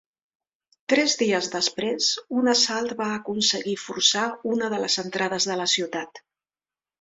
Tres dies després, un assalt va aconseguir forçar una de les entrades de la ciutat.